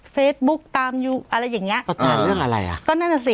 เฟซบุ๊กตามยูอะไรอย่างเงี้ประจานเรื่องอะไรอ่ะก็นั่นน่ะสิ